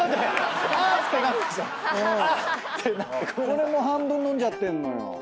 これも半分飲んじゃってんのよ。